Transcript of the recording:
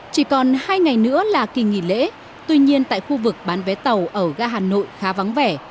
chỉ còn hai ngày nữa là kỳ nghỉ lễ tuy nhiên tại khu vực bán vé tàu ở ga hà nội khá vắng vẻ